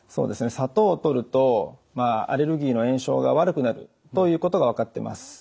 砂糖をとるとアレルギーの炎症が悪くなるということが分かってます。